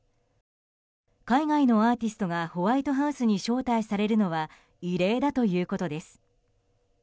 海外のアーティストがホワイトハウスに招待されるのは異例だということです。